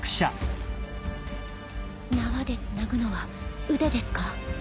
縄でつなぐのは腕ですか？